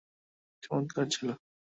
এটা চমৎকার ছিল।